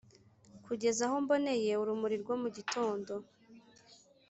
kugeza aho mboneye urumuri rwo mu gitondo,